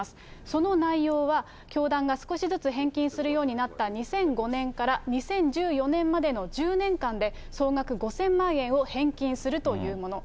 その内容は、教団が少しずつ返金するようになった２００５年から２０１４年までの１０年間で、総額５０００万円を返金するというもの。